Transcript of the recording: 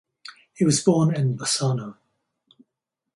He was born in Bassano.